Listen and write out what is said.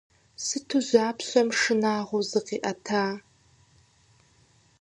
Сыту жьапщэм шынагъуэу зыкъиӏэта!